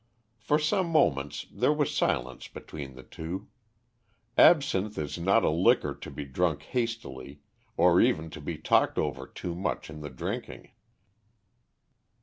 For some moments there was silence between the two. Absinthe is not a liquor to be drunk hastily, or even to be talked over too much in the drinking.